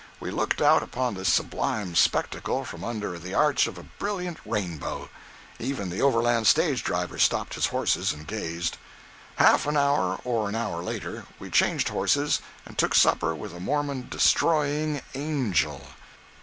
We looked out upon this sublime spectacle from under the arch of a brilliant rainbow! Even the overland stage driver stopped his horses and gazed! Half an hour or an hour later, we changed horses, and took supper with a Mormon "Destroying Angel."